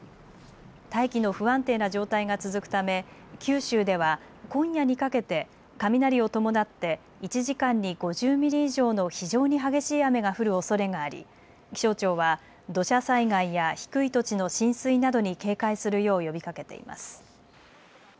大気の不安定な状態が続くため九州では今夜にかけて雷を伴って１時間に５０ミリ以上の非常に激しい雨が降るおそれがあり気象庁は土砂災害や低い土地の浸水などに警戒するよう呼びかけています。